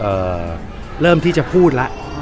เอ่อเริ่มที่จะพูดละ